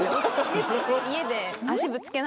家で。